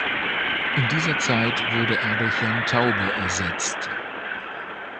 In dieser Zeit wurde er durch Jan Taube ersetzt.